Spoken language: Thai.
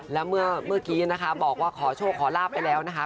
แล้วเมื่อกี้นะคะบอกว่าขอโชคขอลาบไปแล้วนะคะ